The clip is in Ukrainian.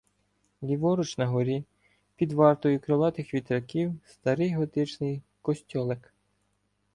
Ліворуч, на горі, під вартою крилатих вітряків — старий готичний "косцьолек".